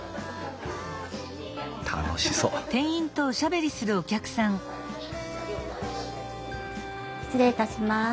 楽しそう失礼いたします。